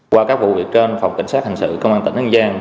qua các vụ việc trên phòng cảnh sát hành sự công an tỉnh hân giang